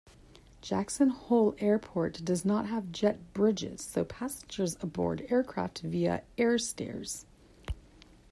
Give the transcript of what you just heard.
Jackson Hole Airport does not have jet bridges so passengers board aircraft via airstairs.